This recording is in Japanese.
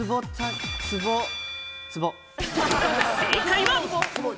正解は。